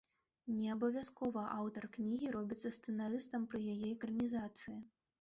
Неабавязкова аўтар кнігі робіцца сцэнарыстам пры яе экранізацыі.